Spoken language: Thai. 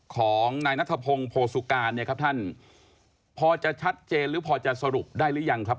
ของนายนัทพงศ์โพสุการพอจะชัดเจนหรือพอจะสรุปได้หรือยังครับ